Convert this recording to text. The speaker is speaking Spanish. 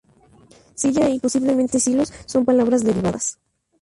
Cilla y Posiblemente Silos son palabras derivadas.